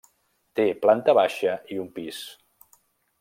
Té planta baixa i un pis.